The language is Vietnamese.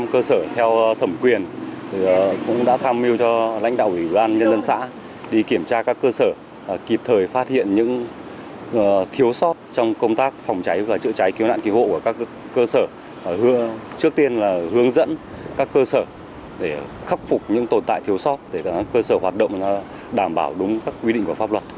cơ sở hoạt động đảm bảo đúng các quy định và pháp luật